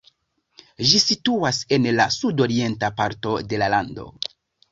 Ĝi situas en la sudorienta parto de la lando.